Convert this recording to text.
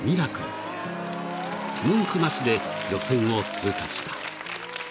［文句なしで予選を通過した］